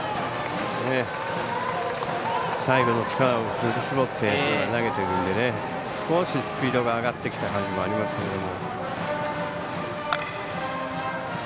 最後の力を振り絞って今、投げているんで少しスピードが上がってきた感じもありますけども。